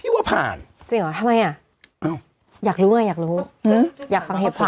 หรอคะจริงหรอทำไมอ่ะอยากรู้อ่ะอยากฟังเหตุผ่าน